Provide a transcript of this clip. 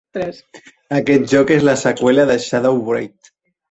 Aquest joc és la seqüela de "ShadowWraith.